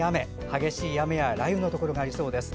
激しい雨や雷雨のところがありそうです。